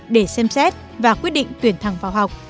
để xem xét và quyết định tuyển thẳng vào học